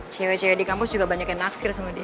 cewek cewek di kampus juga banyak yang nafsir sama dia